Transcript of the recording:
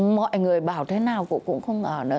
mọi người bảo thế nào cụ cũng không ở nữa